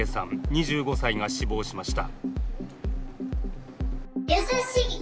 ２５歳が死亡しました。